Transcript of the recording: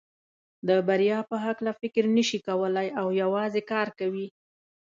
د بریا په هکله فکر نشي کولای او یوازې کار کوي.